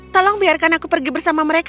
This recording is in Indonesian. tolong biarkan aku pergi bersama mereka